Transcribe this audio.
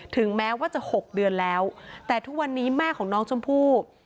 ถึงแม้ว่าจะ๖เดือนแล้วแต่ทุกวันนี้แม่ของน้องชมพู่